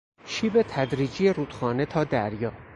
شیب تدریجی رودخانه تا دریا